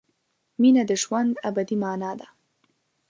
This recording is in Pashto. مینه د ژوند ابدي مانا ده.